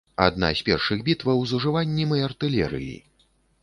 Адна з першых бітваў з ужываннем і артылерыі.